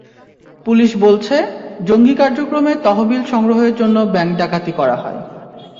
Police বলছে, জঙ্গি কার্যক্রমের তহবিল সংগ্রহের জন্য ব্যাংক ডাকাতি করা হয়।